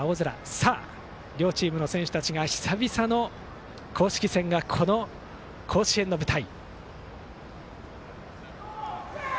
さあ、両チームの選手たち久々の公式戦がこの甲子園の舞台。